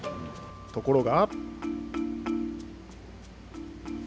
ところが。